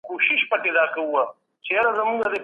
کتابونه د بس له لارې بېلاروس ته لېږدول شوي وو.